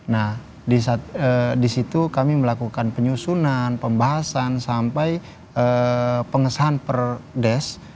nah disitu kami melakukan penyusunan pembahasan sampai pengesahan per des